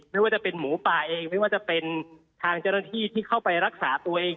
ไม่ว่าจะเป็นหมูป่าเองไม่ว่าจะเป็นทางเจ้าหน้าที่ที่เข้าไปรักษาตัวเอง